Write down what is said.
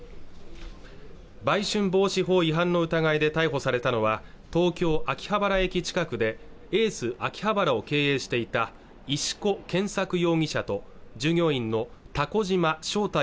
売春防止法違反の疑いで逮捕されたのは東京秋葉原駅近くでエース秋葉原を経営していた石河謙作容疑者と従業員の蛸島祥太